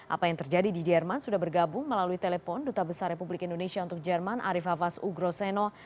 apa yang terjadi di jerman sudah bergabung melalui telepon duta besar republik indonesia untuk jerman arief hafaz ugroseno